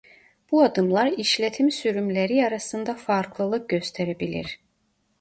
Bu adımlar işletim sürümleri arasında farklılık gösterebilir.